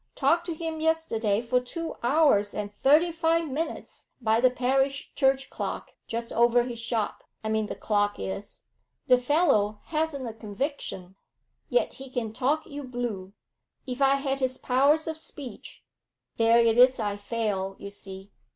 Talked to him yesterday for two hours and thirty five minutes by the parish church clock, just over his shop I mean the clock is. The fellow hasn't a conviction, yet he can talk you blue; if I had his powers of speech there it is I fail, you see.